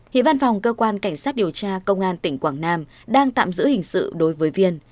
hiện văn phòng cơ quan cảnh sát điều tra công an tỉnh quảng nam đang tạm giữ hình sự đối với viên